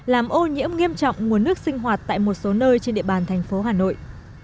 làm ô nhiễm nghiêm trọng nguồn nước sinh hoạt tại một số nơi trên địa bàn thành phố hà nội